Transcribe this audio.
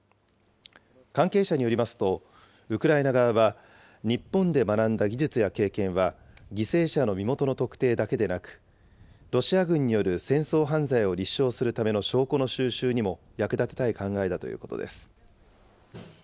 関係者によりますと、ウクライナ側は、日本で学んだ技術や経験は、犠牲者の身元の特定だけでなく、ロシア軍による戦争犯罪を立証するための証拠の収集にも役立てたい考えだということです。